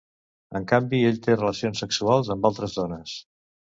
En canvi, ell té relacions sexuals amb altres dones.